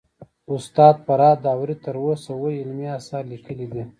استاد فرهاد داوري تر اوسه اوه علمي اثار ليکلي دي